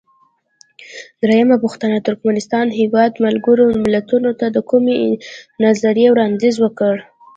درېمه پوښتنه: د ترکمنستان هیواد ملګرو ملتونو ته د کومې نظریې وړاندیز وکړ؟